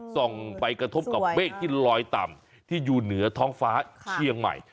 ส่งไปกระทบกับเมฆที่ลอยต่ำที่อยู่เหนือท้องฟ้าเชียงใหม่